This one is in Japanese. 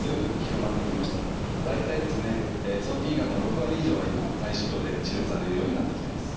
大体ですね早期胃がんの６割以上は今内視鏡で治療されるようになってきてます。